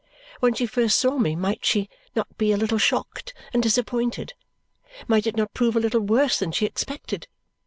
When she first saw me, might she not be a little shocked and disappointed? Might it not prove a little worse than she expected?